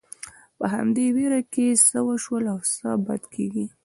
په همدې وېره کې چې څه وشول او څه به کېږي.